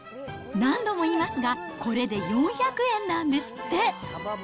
何度も言いますが、これで４００円なんですって。